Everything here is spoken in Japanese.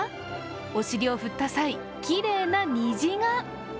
お尻を振った際、きれいな虹が。